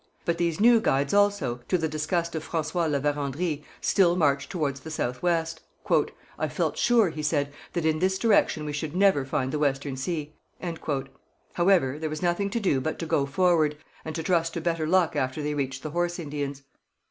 But these new guides also, to the disgust of François La Vérendrye, still marched towards the south west. 'I felt sure,' he said, 'that in this direction we should never find the Western Sea.' However, there was nothing to do but to go forward, and to trust to better luck after they reached the Horse Indians.